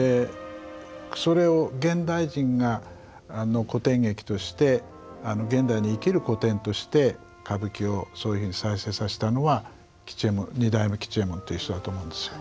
それを現代人が古典劇として現代に生きる古典として歌舞伎をそういうふうに再生さしたのは二代目吉右衛門っていう人だと思うんですよ。